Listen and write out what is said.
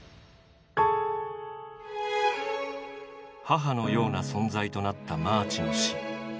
母のような存在となったマーチの死。